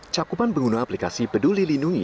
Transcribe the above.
cakupan pengguna aplikasi peduli lindungi